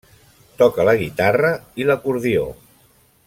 Toca la guitarra i l'acordió.